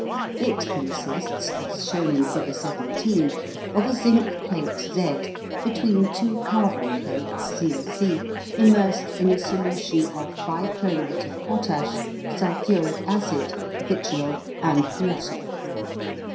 It consists, as shown in figure 17, of a zinc plate Z between two carbon plates C C immersed in a solution of bichromate of potash, sulphuric acid (vitriol), and water.